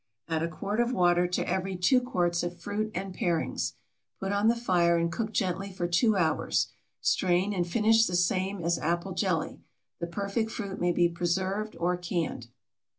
Add a quart of water to every 2 quarts of fruit and parings. Put on the fire and cook gently for two hours. Strain and finish the same as apple jelly. The perfect fruit may be preserved or canned.